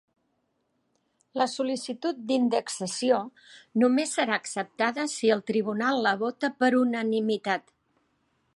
La sol·licitud d'indexació només serà acceptada si el tribunal la vota per unanimitat.